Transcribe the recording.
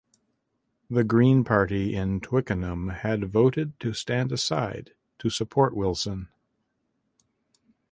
The Green Party in Twickenham had voted to stand aside to support Wilson.